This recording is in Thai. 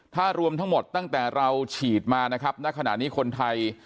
ถ้ารวมทั้งหมดตั้งแต่เราฉีดมานะครับณขณะนี้คนไทย